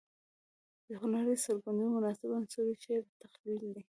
د هنري څرګندونو مناسب عنصر شعري تخيل دى.